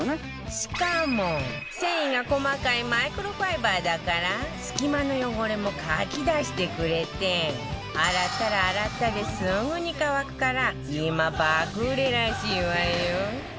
しかも繊維が細かいマイクロファイバーだから隙間の汚れもかき出してくれて洗ったら洗ったですぐに乾くから今爆売れらしいわよ